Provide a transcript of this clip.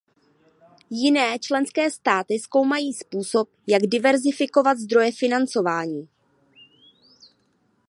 Jiné členské státy zkoumají způsob, jak diverzifikovat zdroje financování.